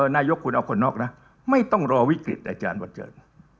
นายกคุณเอาคนนอกนะไม่ต้องรอวิกฤตอาจารย์วันเจิด